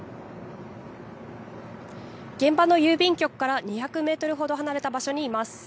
現場の郵便局から２００メートルほど離れた場所にいます。